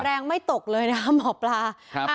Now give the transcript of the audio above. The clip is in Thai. แรงไม่ตกเลยนะหมอปลา